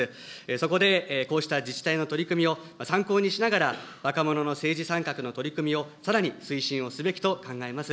そこでこうした自治体の取り組みを参考にしながら、若者の政治参画の取り組みをさらに推進をすべきと考えます。